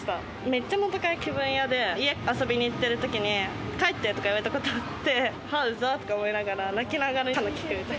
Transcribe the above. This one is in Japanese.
めっちゃ元カレ気分屋で、家遊びに行ってるときに、帰ってとか言われたことあって、はっ、うざとか思いながら、泣きながらカナ聴いてた。